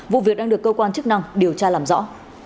vụ việc đang được cơ quan chức năng điều tra làm rõ